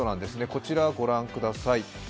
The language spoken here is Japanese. こちらご覧ください。